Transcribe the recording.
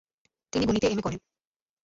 তিনি গণিতে এম.এ. করেন।